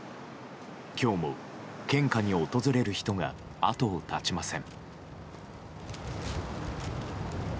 今日も献花に訪れる人が後を絶ちません。